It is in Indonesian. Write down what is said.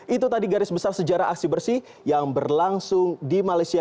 itu tadi garis besar sejarah aksi bersih yang berlangsung di malaysia